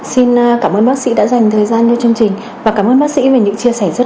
xin cảm ơn bác sĩ đã dành thời gian cho chương trình và cảm ơn bác sĩ về những chia sẻ rất cụ thể vừa rồi